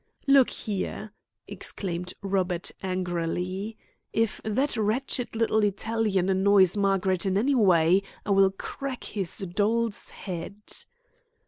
"Look here," exclaimed Robert angrily. "If that wretched little Italian annoys Margaret in any way I will crack his doll's head."